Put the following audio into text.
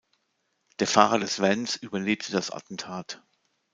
Der Fahrer des Vans überlebte das Attentat.